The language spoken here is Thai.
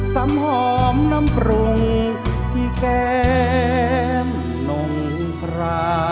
สำหอมน้ำปรุงที่แก้มนงครา